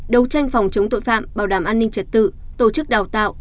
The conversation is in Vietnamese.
đấu tranh phòng chống tội phạm bảo đảm an ninh trật tự tổ chức đào tạo